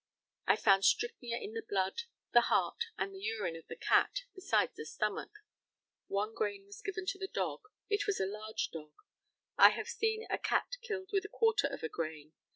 I found strychnia in the blood, the heart, and the urine of the cat, besides the stomach. One grain was given to the dog. It was a large dog. I have seen a cat killed with a quarter of a grain.